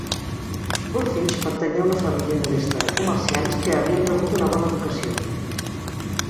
Bulfinch pertanyia a una família modesta de comerciants que havien rebut una bona educació.